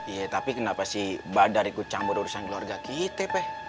ya tapi kenapa si badar ikut campur urusan keluarga kita pak